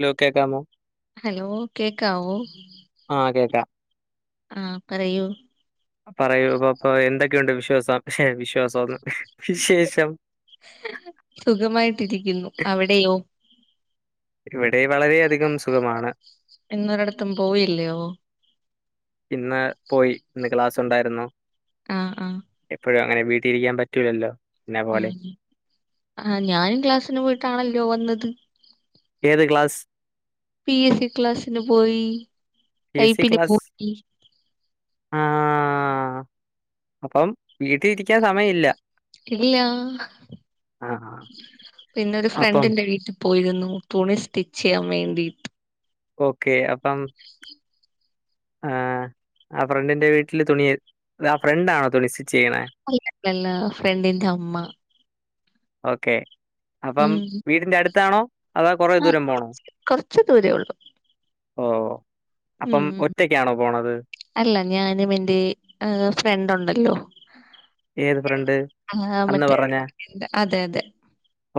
Hello കേക്കാമോ? Hello കേക്കാവോ? ആ കേക്കാം. ആഹ് പറയു. പറയു പപ്പ. എന്തൊക്കെയൊണ്ട് വിശ്വാസം? ഷെ വിശ്വാസൊന്ന്. വിശേഷം? സുഖമായിട്ടിരിക്കുന്നു അവിടെയോ? ഇവെടെ വളരെയധികം സുഖമാണ്. ഇന്നൊരിടത്തും പോയില്ലയോ? ഇന്ന് പോയി ഇന്ന് ക്ലാസുണ്ടായ്ര്ന്നു ആഹ് ആഹ് ങ്ങനെ വീട്ടി ഇരിക്കാൻ പറ്റൂലല്ലോ എന്നെ ഉം പോലെ. ആഹ് ഞാനും ക്ലാസ്സ്ന് പോയ്ട്ടാണല്ലോ വന്നത് ഏത് ക്ലാസ് പി എസ് സി ക്ലാസ്സ്ന് പോയി ടൈപ്പിന് പോയി ആഹ് അപ്പം വീട്ടി ഇരിക്കാൻ സമയല്ല ഇല്ലാഹ് ആ പിന്നെ ഒരു അപ്പം ഫ്രണ്ടിന്റെ വീട്ടി പോയ്ര്ന്നു തുണി സ്റ്റിച്ചെയ്യാം വേണ്ടീട്ട് ഓക്കെ അപ്പം ആഹ് ആ ഫ്രണ്ട്ന്റെ വീട്ട്ല് തുണിയെ ആ ഫ്രണ്ടാണോ തുണി സി- അല്ലല്ലല്ലാ ഫ്രണ്ടിന്റെ അമ്മാ ഓക്കെ അപ്പം വീടിന്റെ അട്ത്താണോ? അതോ കൊറേ ആ ദൂരം പോണോ കൊറച്ച് ദൂരേ ഉള്ളു ഓഹ് ഉം അല്ല ഞാനുമെന്റെ ഏഹ് ഫ്രണ്ട് ഉണ്ടല്ലോ ഏത് ഫ്രണ്ട് ആ അന്ന് മറ്റേ പറഞ്ഞെ അതെ അതെ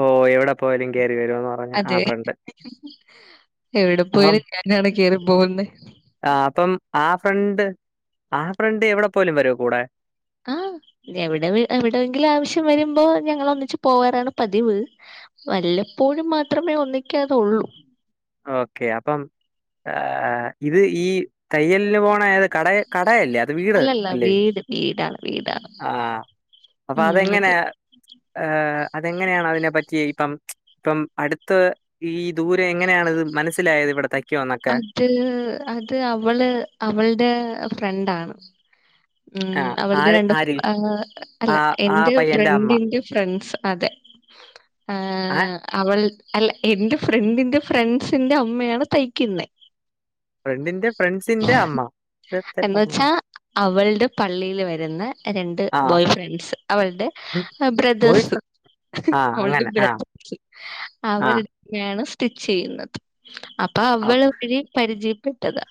ഓഹ് എ വ്ടെ പോയാലും കേറി വരൂന്ന് പറഞ്ഞ ആ ഫ്രണ്ട് എവ്ടെ പോയാലും ഞാനാണ് കേറി പോവുന്നെ ആഹ് അപ്പം ആ ഫ്രണ്ട് ആ ഫ്രണ്ട് എവ്ടെ പോയാലും വരോ കൂടെ ആഹ് എവ്ടെവി എവ്ടെങ്കിലാവശ്യം വര്മ്പോ ഞങ്ങളൊന്നിച്ച് പോവാറാണ് പതിവ് വല്ല പ്പോഴും മാത്രമേ ഒന്നിക്കാതൊള്ളു ഓക്കെ അപ്പം ഏഹ് ഇത് ഈ തയ്യൽന് പോണെ ഏത് കടെയെ കടെയെല്ലേ അത് വീട് അല്ലല്ല അല്ലേ വീട് വീടാണ് വീടാണ് ആഹ് അപ്പ ഉം അതെങ്ങെനേ അതെ ഏഹ് അതെങ്ങനെയാണ് അതിനെ പറ്റി ഇപ്പം ഇപ്പം അടുത്ത് ഈ ദൂരെ എങ്ങനെയാണ് ഇത് മനസ്സിലായത് ഇവടത്തെ അത് അത് അവള് അവൾടെ ഫ്രണ്ടാണ് ആ ഉം അവൾടെ ആര് രണ്ട് ആര്? അല്ല ആ ആ എന്റെ പയ്യന്റെ അമ്മ. ഫ്രണ്ടിന്റെ ഫ്രണ്ട്സാ അതെ ഏഹ് ആഹ് അവൾ അല്ല എന്റെ ഫ്രണ്ടിന്റെ ഫ്രണ്ട്സിന്റെ അമ്മയാണ് തയ്ക്കുന്നെ ഫ്രണ്ടിന്റെ ഫ്രണ്ട്സിന്റെ അമ്മ [inaudible] അമ്മ ടെ പള്ളില് വരുന്ന രണ്ട് ആഹ് ബോയ് ഫ്രണ്ട്സ് അവൾടെ ബ്രദേഴ്സ് ആഹ് അവൾടെ അങ്ങനെ ആഹ് ബ്രദേഴ്‌സ് ആഹ് അവരെടക്കെയാണ് സ്റ്റിച്ച് ചെയ്യുന്നത് അപ്പാ അവള് വഴി പരിചയപ്പെട്ടതാ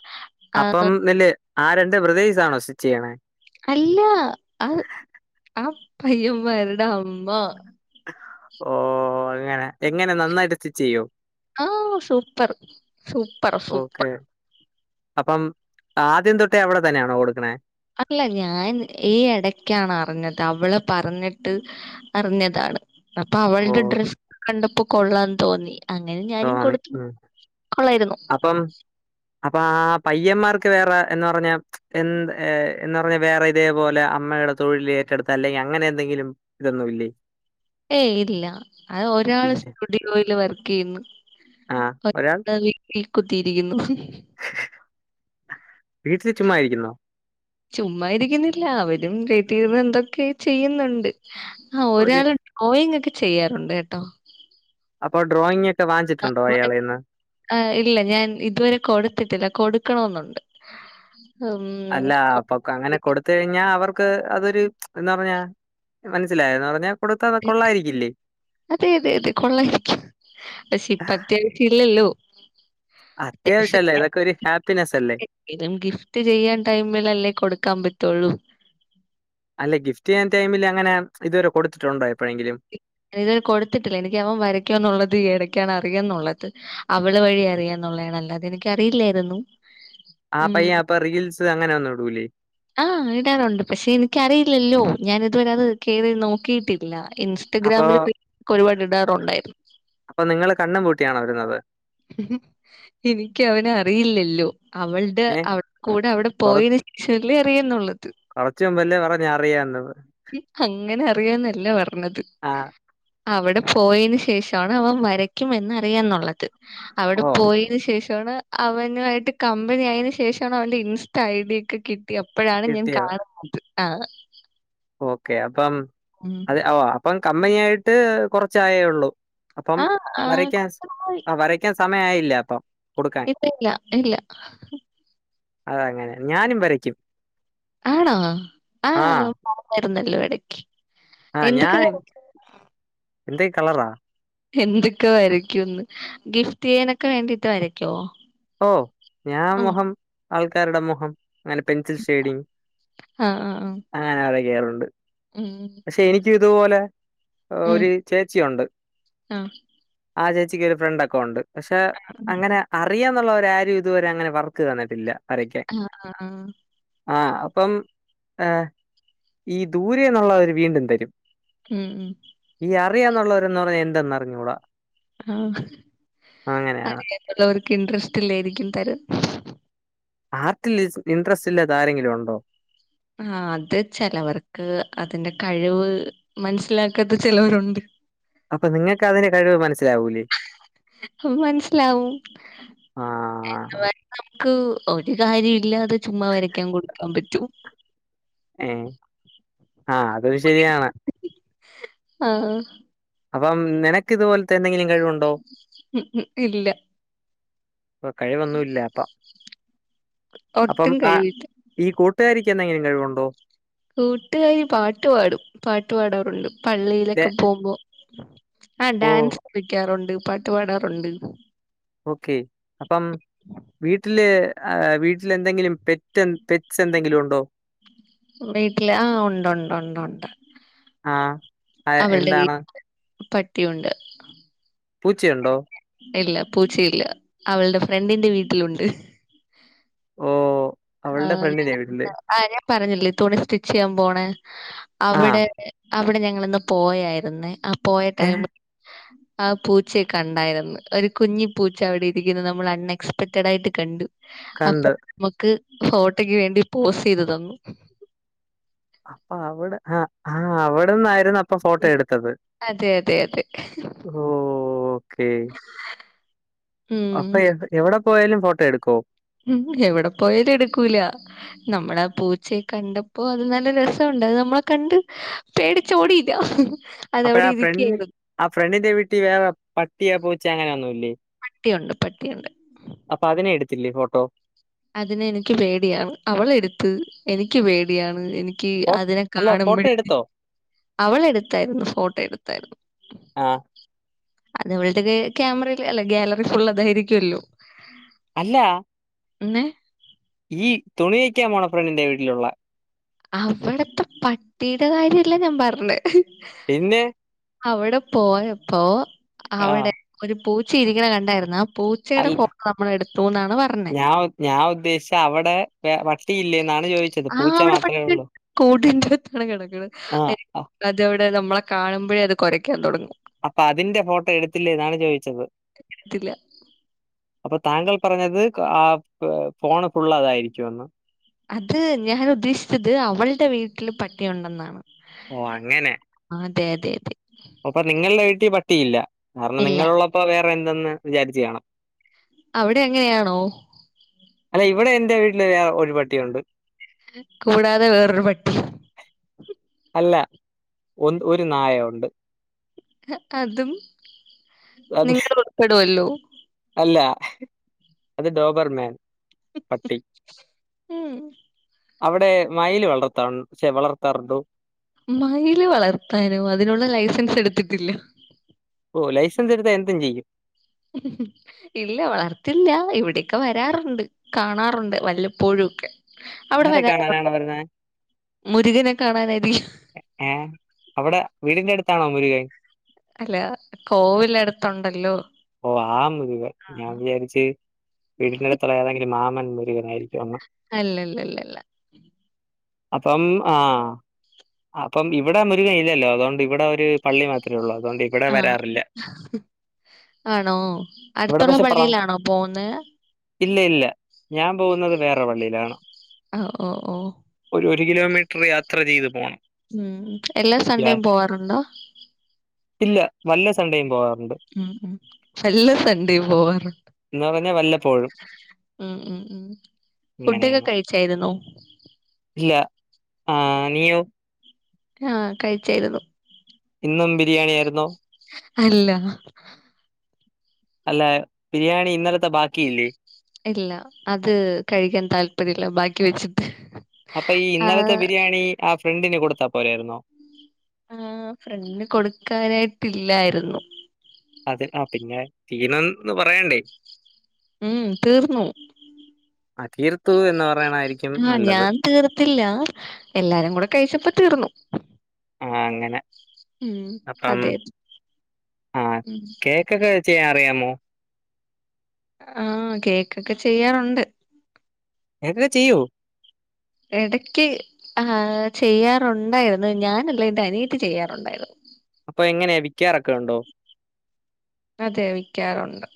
അപ്പം ന്നില് ആ രണ്ട് ബ്രദേസാണോ സ്റ്റിച്ച് ചെയ്യണേ അല്ല ആഹ് ആ പയ്യന്മാരുടെ അമ്മ ഓഹ് അങ്ങനെ എങ്ങനെ നന്നായിട്ട് സ്റ്റിച്ച് ചെയ്യോ ആഹ് സൂപ്പർ സൂപ്പർ ഓക്കെ സൂപ്പറാ അപ്പം ആദ്യം തൊട്ടേ അവടെ തന്നെയാണോ കൊടുക്കണേ അല്ല ഞാൻ ഈഹ് എടക്കാണ് അറിഞ്ഞത് അവള് പറഞ്ഞിട്ട് അറിഞ്ഞതാണ് അപ്പോ ഓ അവൾടെ ഡ്രസ്സ് കണ്ടപ്പോ കൊള്ളാന്ന് തോന്നി അങ്ങനെ ഞാനും തോന്നി കൊടുത്തു ഉം കൊള്ളാരുന്നു. പയ്യമാർക്ക് വേറെ എന്ന് പറഞ്ഞാ എ എന്ന് പറഞ്ഞാ വേറെ ഇതേപോലെ അമ്മടെ തൊഴില് ക്കെടുത്ത അല്ലെ അങ്ങനെ എന്തെങ്കിലും ഇതൊന്നുവില്ലേ ഏയ് ഇല്ല അത് ഒരാള് ഇല്ല സ്റ്റുഡിയോയില് വർക്ക് ചെയ്യുന്നു ആഹ് ഒരാൾ [unintelligible] വീട്ടി കുത്തിയിരിക്കുന്നു. വീട്ടിൽ ചുമ്മാ ഇരിക്കുന്നോ ചുമ്മാ ഇരിക്കുന്നില്ല അവരും വീട്ടി ഇരുന്ന് എന്തൊക്കെ ചെയ്യുന്നുണ്ട്. ആ ഒരു ഒരാള് ഡ്രോയിങ് ഒക്കെ ചെയ്യാറുണ്ട് കേട്ടോ അപ്പോ ഡ്രോയിങ് ഒക്കെ ആ വാങ്ങിച്ചിട്ടുണ്ടോ മ അയാളെന്ന് ആ ഇല്ല ഞാൻ ഇതുവരെ കൊടുത്തിട്ടില്ല കൊടു ക്കണമെന്നുണ്ട് അല്ല അപ്പ അങ്ങനെ കൊടുത്ത് കഴിഞ്ഞാൽ അവർ വക്ക് അതൊരു എന്താ പറഞ്ഞാ മനസ്സിലായോ എന്ന് പറഞ്ഞാ കൊടുത്ത കൊള്ളായിരിക്കില്ലേ? അതെ, അതെ അതെ കൊള്ളായിരിക്കും, പക്ഷേ ഇപ്പത്യാവശ്യം ഇല്ലല്ലോ. അത്യാവശ്യം അല്ലേ, ഇതൊക്കെ ഒരു ഹാപ്പ് [unintelligible] ങ്കിലും ഗിഫ്റ്റ് ചെയ്യാൻ ടൈമിലല്ലേ കൊടുക്കാൻ പറ്റുള്ളൂ. അല്ല, ഗിഫ്റ്റ് ചെയ്യാൻ ടൈമിൽ അങ്ങനെ ഇതുവരെ കൊടുത്തിട്ടോണ്ടോ എപ്പഴങ്കിലും ഞാൻ ഇതു വരെ കൊടുത്തിട്ടില്ല എനിക്ക് അവൻ വരയ്ക്കോ എന്നുള്ളത് ഈ ഇടയ്ക്കാണ് അറിയാം എന്നുള്ളത്, അവള് വഴി അറിയാ ഒള്ളേണ് അല്ലാതെ എനിക്കറിയില്ലായിരുന്നു. ആ പയ്യ അപ്പ റീൽസ് അങ്ങനെ ഒന്നും ഇടുലേ ആ, ഇടാറുണ്ട് പക്ഷേ എനിക്കറിയില്ലല്ലോ. ഞാൻ ഇതുവരെ അത് കേറി നോക്കിയിട്ടി ഇല്ല അപ്പൊ ഇൻസ്റ്റഗ്രാമില് പിക് ഒരുപാട് ഇടാറൊണ്ടായിരുന്നു. അപ്പൊ നിങ്ങള് കണ്ണും പൂട്ടിയാണോ ഇടുന്നത്? എനിക്ക് അവനെ അറിയില്ലല്ലോ അവൾടെ ഏഹ്? അവ കൂട അവടെ കൊറ പോയതിന് ശേഷല്ലേ അറിയുന്നുള്ളൂ ത് കൊറച്ച് മുമ്പല്ലേ പറഞ്ഞ് അറിയാന്ന്. അങ്ങനെ അറിയാന്നല്ല പറഞ്ഞത്. ആഹ്. അവടെ പോയേന് ശേഷാണ് അവൻ വരയ്ക്കുംമെന്ന് അറിയാന്നുള്ളത്, അവിടെ ഓഹ് പോയേന് ശേഷ ണ് അവനു ആയിട്ട് കമ്പനി ആയന് ശേഷാണ് അവന്റെ ഇൻസ്റ്റ ഐഡി ഒക്കെ കി കിട്ടി അപ്പഴാണ് ഞാൻ കിട്ടിയോ? കാണുന്നത്, ആ ഓക്കെ അപ്പം അത് ഓ അപ്പം കമ്പനിയായിട്ട് കുറച്ചായേള്ളൂ അപ്പം ആഹ് ആഹ് വരയ്ക്കാൻ, ആ വരയ്ക്കാൻ സമയായില്ല അപ്പം കൊടുക്കാൻ. ഇല്ല ഇല്ല ഇല്ല ആ അങ്ങനെ ഞാനും വരയ്ക്കും ആണോ ആ, പറഞ്ഞാരുന്നല്ലോ ഇടയ്ക്ക് ആ, ഞാൻ എന്തേ കളറാ എന്തൊക്കെ വരയ്ക്കുന്ന്, ഗിഫ്റ്റ് ചെയ്യാനൊക്കെ വേണ്ടിട്ട് വരയ്ക്കോ? ഓ ഞാൻ ഉം. മുഹം, ആൾക്കാരുടെ മുഹം അങ്ങനെ പെൻസിൽ ഷെയഡിങ് ആഹ് ആഹ് ആഹ്. അങ്ങനെ ഒക്കെ ചെയ്യാറുണ്ട്. ഉം. പക്ഷെ എനിക്ക് ഇതുപോലെ ഉം. ഒരു ചേച്ചി ഒണ്ട്, ആഹ്. ആ ചേച്ചിക്ക് ഒരു ഫ്രണ്ടൊക്കെ ഒണ്ട്. പക്ഷേ, അങ്ങനെ അറിയാന്നുള്ളവരാരും ഇതുവരെ അങ്ങനെ വർക്ക് തന്നിട്ടില്ല. വരയ്ക്കാൻ ആ ആ ആ ആ അപ്പം ആ ഈ ദൂരെന്നുള്ളവര് വീണ്ടും തരും. ഉം, ഉം അറിയാ എന്നുള്ളവരന്ന് പറഞ്ഞാ എന്തെന്ന് അറിഞ്ഞുകൂടാ. ആ, അറിയാന്നുള്ളവർ ഇൻട്രസ്റ്റ് ഇല്ലായിരിക്കും തരാൻ ആർട്ടിൽ ഈസ് ഇൻട്രസ്റ്റ് ഇല്ലാത്ത ആരെങ്കിലും ഒണ്ടോ? ആ, അത് ചെലവർക്ക് അതിന്റെ കഴിവ് മനസിലാക്കാത്ത ചെലവരുണ്ട്. അപ്പ നിങ്ങക്ക് അതിന്റെ കഴിവ് മനസ്സിലാവൂലേ ഹും മനസിലാവും ആ എന്ന് പറഞ്ഞ് മ്മക്ക് ഒരു കാര്യോല്ലാതെ ചുമ്മാ വരയ്ക്കാൻ കൊടുക്കാൻ പറ്റ്വോ? ഏ ആ അതൊരു ശരിയാണ്. ആ അപ്പം നിനക്ക് ഇതുപോലത്തെ എന്തെങ്കിലും കഴിവുണ്ടോ? ഉം, ഉം ഇല്ല ആ കഴിവൊന്നുമല്ല അപ്പം, അപ്പം ഒട്ടും ആ കഴിവില്ല ഈ കൂട്ട കൂട്ടുകാരിക്ക് എന്തെങ്കിലും കഴിവുണ്ടോ? കൂട്ടുകാരി പാട്ട് പാടും, പാട്ട് പാടാറുണ്ട് ലെ പള്ളിയിലൊക്കെ പോകുമ്പോ. ആ ഓ ഡാൻസ് കുളിക്കാറുണ്ട് പാട്ട് പാടാറുണ്ട് ഓക്കെ അപ്പം വീട്ടില് വീട്ടിൽ എന്തെങ്കിലും പെറ്റ പെറ്റ് പെറ്റ്സ് എന്തെങ്കിലും ഉണ്ടോ വീട്ടില് ആ ഉണ്ടുണ്ട് ഉണ്ടുണ്ട് ആ അ എന്താണ് പട്ടിയുണ്ട് പൂച്ചയുണ്ടോ ഇല്ല പൂച്ചയില്ല അവളുടെ ഫ്രണ്ടിന്റെ വീട്ടിലുണ്ട് ഓ ആ അവളുടെ ഫ്രണ്ടിന്റെ വീട്ടില് ഞങ്ങ ആ ഞാൻ പറഞ്ഞില്ലേ തുണി സ്റ്റിച്ച് ചെയ്യാൻ പോണ ആഹ് അവിടെ അവിടെ ഞങ്ങളിന്ന് പോയായിരുന്നേ ആ പോയ ഏഹ് ടൈമിൽ ആ പൂച്ചയെ കണ്ടായിരുന്നു ഒരു കുഞ്ഞി പൂച്ച അവിടെ ഇരിക്കുന്നു നമ്മൾ അൺഎക്സ്പെക്റ്റഡ് ആയിട്ട് കണ്ടു അപ്പൊ കണ്ട് നമ്മുക്ക് ഫോട്ടോക്ക് വേണ്ടി പോസ് ചെയ്ത് തന്നു അപ്പൊ അവിടെ ആ ആ അവിടെന്നായിരുന്നു അപ്പൊ ഫോട്ടോ ഉം എടുത്തത് അതെ അതെ അതെ ഓ ഓക്കെ ഉം അപ്പൊ എവി എവിടെ പോയാലും ഫോട്ടോ എടുക്കോ ഉം എവിടെ പോയാലും എടുക്കൂല നമ്മളാ പൂച്ചയെ കണ്ടപ്പോ അത് നല്ല രസം ഉണ്ട് അത് നമ്മളെ കണ്ട് പേടിച്ചോടീല്ല അപ്പഴ ആ ഫ്രണ്ട് ആ ഫ്രണ്ടിന്റെ വീട്ടി വേറെ പട്ടിയ പൂച്ച അങ്ങനെ ഒന്നും ഇല്ലേ പട്ടിയുണ്ട് പട്ടിയുണ്ട് അപ്പൊ അതിനെ എടുത്തില്ലേ ഫോട്ടോ അതിനെ എനിക്ക് പേടിയാണ് അവളെടുത്ത് എനിക്ക് പേടിയാണ് എനിക്ക് എനിക്ക് ഫോ അതിനെ അല്ല ഫോട്ടോ കാണുമ്പോഴേ എടുത്തോ അവളെടുത്തായിരുന്നു ഫോട്ടോ എടുത്തായിരുന്നു ആ അതവളുടെ കൈ ക്യാമറയിൽ അല്ല ഗാലറി ഫുള് അതായിരിക്കുല്ലോ അല്ല പിന്നെ ഈ തുണിയയ്ക്കാ മോള ഫ്രെണ്ടിൻ്റെ വീട്ടിലുള്ള അവിടത്തെ പട്ടിയുടെ കാര്യല്ല ഞാൻ പറഞ്ഞ പിന്നെ അവിടെ പോയപ്പോ ആ അവിടെ ഒരു പൂച്ചി ഇരിക്കണ കണ്ടായിരുന്നോ അല്ല പറഞ്ഞേ. ഞാ ഞാൻ ഉദ്ദേശിച്ച അവിടെ വെ പട്ടിയില്ലേന്നാണ് ചോദിച്ചത് ആ പൂച്ച അവിടെ മാത്രമേ പട്ടിണ്ട് ഉള്ളൂ കൂടിൻ്റെ അകത്താണ് കിടക്കണത് ആ [unintelligible] അ- അത് നമ്മളെ കാണുമ്പഴേ അത് കുരയ്ക്കാൻ തുടങ്ങും അപ്പൊ അതിന്റെ ഫോട്ടോ എടുത്തില്ലേ എന്നാണ് ചോദിച്ചത് അപ്പൊ താങ്കൾ പറഞ്ഞത് ആ ഫോണ് ഫുള്ള് തായിരിക്കും എന്ന് അത് ഞാൻ ഉദ്ദേശിച്ചത് അവളുടെ വീട്ടില് പട്ടിയുണ്ടെന്നാണ് ഓ അങ്ങനെ അതെ അതെ അതെ അപ്പൊ നിങ്ങളുടെ വീട്ടിൽ പട്ടിയില്ല കാരണം ഇല്ല നിങ്ങളുള്ളപ്പോ വേറെ എന്തെന്ന് വിചാരിച്ച് കാണും അവിടെ എങ്ങനെയാണോ അല്ല ഇവിടെ എൻ്റെ വീട്ടില് ഒരുപട്ടിയുണ്ട് കൂടാതെ വേറൊരു പട്ടി അല്ല ഒരു നായ ഉണ്ട് അതും അത് നിങ്ങളുൾപ്പെടുല്ലോ അല്ല അത് ഡോബർ മാൻ ഉം അവിടെ മയിൽ വളർത്താ ശേ വളർത്താറുണ്ടോ മയിൽ വളർത്താനോ അതിനുള്ള ലൈസൻസ് എടുത്തിട്ടില്ല ഓ ലൈസൻസ് എടുത്താ എന്തും ചെയ്യും ഇല്ല വളർത്തില്ല ഇവിടെയൊക്കെ വരാറുണ്ട് കാണാറുണ്ട് വല്ലപ്പോഴും ഒക്കെ അവിടെ ആരെ കാണാനാണ് വരാറുണ്ടൊ വരുന്നേ? മുരുകനെ കാണാനെബി ഏ.. അവിടെ വീടിന്റെയടുത്താണോ മുരുകൻ. അല്ല, കോവിലടുത്തുണ്ടല്ലോ. ഓ.. ആ മുരികൻ ഞാൻ വിചാരിച്ച്‌ വീടിന്റെയടുത്തുളളയേതെങ്കിലും, മാമൻ മുരുകനായിരിക്കുമെന്ന് അല്ലല്ല ലല്ലല്ല അപ്പം, ആ.. അപ്പം ഇവിടെ മുരുകനില്ലല്ലോ, അതുകൊണ്ടിവിടെയൊരുപള്ളി മാത്രമേയുള്ളൂ അതുകൊണ്ടിവിടെ ആഹ് വരാറില്ല ആണോ, ഇവിടെ അടുത്തുള്ള പള്ളിയിലാണോ പോന്നേ ഇല്ലയില്ല, ഞാൻ പോകുന്നത് വേറൊപള്ളിയിലാണ് ഹ.. ഓ... ഓ ഒരുകിലോമീറ്റർ യാത്ര ചെയ്തു പോണം. ഉം.. യാ എല്ലാസൺണ്ടേയും പോകാറുണ്ടോ ഇല്ല വല്ല സൺഡേയും പോവാറുണ്ട് ഉം.. വല്ല സൺഡേയും പോവാറുണ്ട്. എന്ന് പറഞ്ഞാ വല്ലപ്പോഴും ഉം.. ഉം... ഉ ഫുഡൊക്കെ അങ്ങനെയാണ്. കഴിച്ചായിരുന്നോ ഇല്ല, ആ.. നീയോ ആ.. കഴിച്ചായിരുന്നു. ഇന്നുംബിരിയാണി ആരുന്നോ അല്ല അല്ല, ബിരിയാണിയിന്നലത്തെ ബാക്കിയില്ലേ? ഇല്ല, അത്കഴിക്കാൻ താല്പര്യമില്ല, ബാക്കിവെച്ചിട്ട്... അപ്പോയീഇന്നലത്തെബിരിയാണി ആഫ്രണ്ടിന് കൊടുത്താൽ പോരായിരുന്നോ ആ, ഫ്രണ്ടിനുകൊടുക്കാനായിട്ടില്ലായിരുന്നു. അത് ആ പിന്നെ തീർന്നെന്നു പറയേണ്ടേ ഉം.. തീർന്നു [unintelligible] പറയണേ ആ.. ഞാൻതീർത്തില്ല. എല്ലാരും കൂടെ കഴിച്ചപ്പോ, തീർന്നു ആ.. അങ്ങനെ ഉം അപ്പം അതെ ആ.. ഉം കേക്കക്കെ ചെയ്യാനറിയാമോ ആ.. കേക്കൊക്കെ ചെയ്യാറുണ്ട്. കേക്കൊക്കെ ചെയ്യുവോ എടക്ക് ആ.. ചെയ്യാറുണ്ടായിരുന്നു. ഞാനല്ലയെന്റെ അനിയത്തി ചെയ്യാറുണ്ടായിരുന്നു. അപ്പൊ, എങ്ങനെയാ വിക്കാറൊക്കെയുണ്ടോ അതെ, വിക്കാറൊണ്ട്